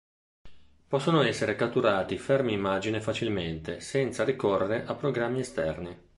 Possono essere catturati fermi immagine facilmente senza ricorrere a programmi esterni.